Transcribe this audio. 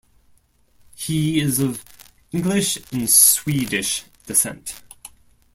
He is of English and Swedish descent.